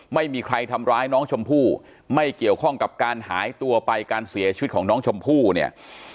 ไม่มีใครทำร้ายน้องชมพู่ไม่เกี่ยวข้องกับการหายตัวไปการเสียชีวิตของน้องชมพู่เนี่ย